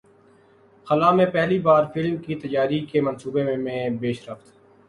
خلا میں پہلی بار فلم کی تیاری کے منصوبے میں پیشرفت